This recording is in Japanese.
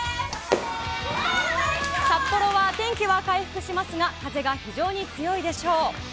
札幌は天気は回復しますが風が非常に強いでしょう。